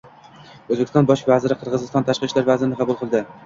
O‘zbekiston Bosh vaziri Qirg‘iziston tashqi ishlar vazirini qabul qildi